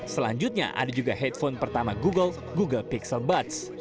selanjutnya ada juga headphone pertama google google pixel buds